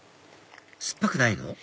酸っぱくないの？